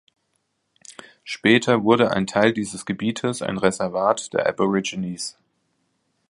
Später wurde ein Teil dieses Gebietes ein Reservat der Aborigines.